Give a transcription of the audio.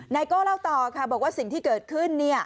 โก้เล่าต่อค่ะบอกว่าสิ่งที่เกิดขึ้น